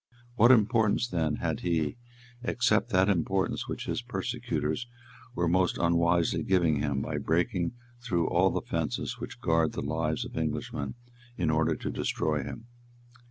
What importance, then, had he, except that importance which his persecutors were most unwisely giving him by breaking through all the fences which guard the lives of Englishmen in order to destroy him?